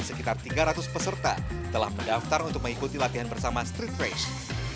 sekitar tiga ratus peserta telah mendaftar untuk mengikuti latihan bersama street race